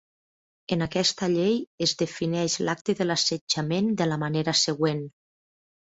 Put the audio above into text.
En aquesta llei es defineix l'acte de l'assetjament de la manera següent.